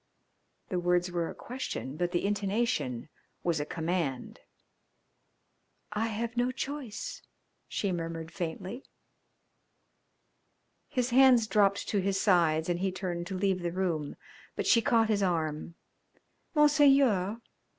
The words were a question, but the intonation was a command. "I have no choice," she murmured faintly. His hands dropped to his sides and he turned to leave the room, but she caught his arm. "Monseigneur!